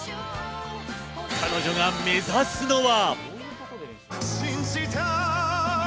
彼女が目指すのは。